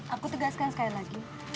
aku tegaskan sekali lagi